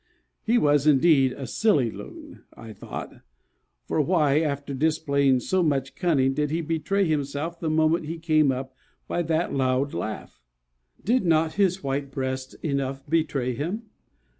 He was indeed a silly Loon, I thought, for why, after displaying so much cunning did he betray himself the moment he came up by that loud laugh? Did not his white breast enough betray him?